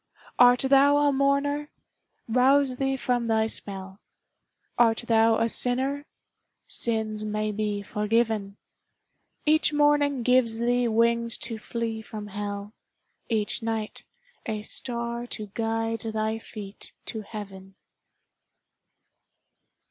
Art thou a mourner? Rouse thee from thy spell ; Art thou a sinner? Sins may be forgiven ; Each morning gives thee wings to flee from hell, Each night a star to guide thy feet to heaven.